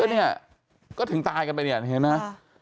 ก็นี่ก็ถึงตายกันไปเนี่ยเห็นไหมครับ